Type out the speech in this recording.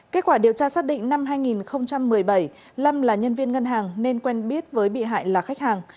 kết quả điều tra xác định năm hai nghìn một mươi bảy lâm là nhân viên ngân hàng nên quen biết với bị hại là khách hàng